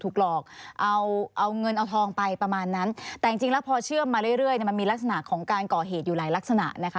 หลอกเอาเอาเงินเอาทองไปประมาณนั้นแต่จริงแล้วพอเชื่อมมาเรื่อยเนี่ยมันมีลักษณะของการก่อเหตุอยู่หลายลักษณะนะคะ